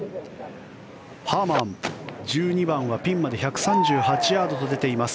ハーマン、１２番はピンまで１３８ヤードと出ています。